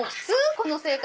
この生活。